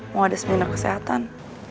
mau ada seminar kesehatan